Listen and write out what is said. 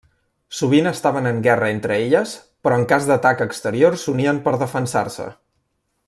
Sovint estaven en guerra entre elles però en cas d'atac exterior s'unien per defensar-se.